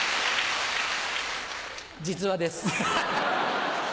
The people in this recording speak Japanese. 実話です。